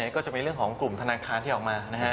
ก็จะเป็นเรื่องของกลุ่มธนาคารที่ออกมานะฮะ